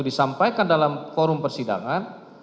disampaikan dalam forum persidangan